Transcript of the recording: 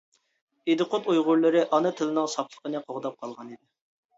ئىدىقۇت ئۇيغۇرلىرى ئانا تىلىنىڭ ساپلىقىنى قوغداپ قالغانىدى.